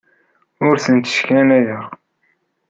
Ur tent-sseknayeɣ.